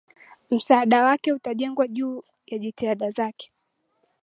msaada wake utajengwa juu ya jitihada zake